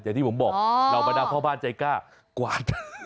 อย่างที่ผมบอกเหล่าบรรดาพ่อบ้านใจกล้ากว่าจะ